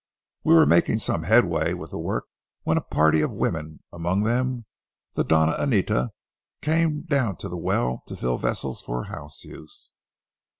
We were making some headway with the work, when a party of women, among them the Doña Anita, came down to the well to fill vessels for house use.